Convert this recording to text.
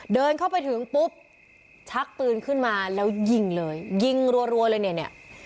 เดินเข้าไปถึงปุ๊บชักปืนขึ้นมาแล้วยิงเลยยิงรัวเลยเนี่ยเนี่ย